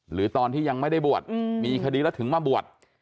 หรือตอนที่ยังไม่ได้บวชมีคดีแล้วถึงมาบวช